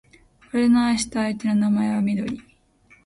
俺の愛した相手の名前はみどり